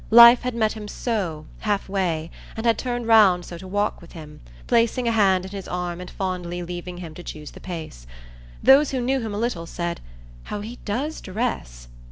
Life had met him so, halfway, and had turned round so to walk with him, placing a hand in his arm and fondly leaving him to choose the pace. Those who knew him a little said "How he does dress!"